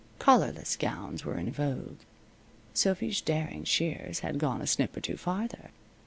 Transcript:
Collarless gowns were in vogue. Sophy's daring shears had gone a snip or two farther.